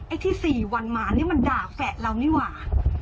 ไอ้ที่๔วันมานี่มันด่าแฝดเรานี่หว่า